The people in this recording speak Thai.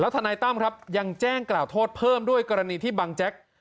ทนายตั้มครับยังแจ้งกล่าวโทษเพิ่มด้วยกรณีที่บังแจ๊ก